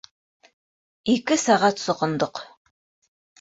Ике сәғәт соҡондоҡ.